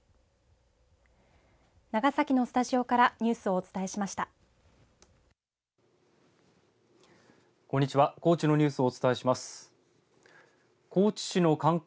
長崎のスタジオからニュースをお伝えしました。